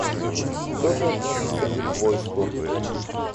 То же относится и к войску.